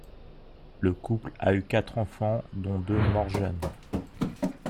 Le couple a eu quatre enfants, dont deux mort jeunes.